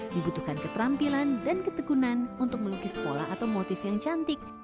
dibutuhkan keterampilan dan ketekunan untuk melukis pola atau motif yang cantik